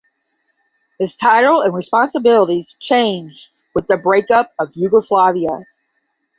His title and responsibilities changed with the breakup of Yugoslavia.